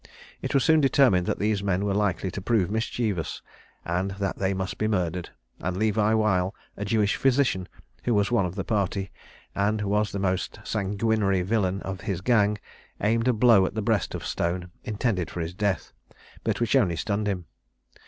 It was soon determined that these men were likely to prove mischievous, and that they must be murdered; and Levi Weil, a Jewish physician, who was one of the party, and was the most sanguinary villain of his gang, aimed a blow at the breast of Stone, intended for his death, but which only stunned him.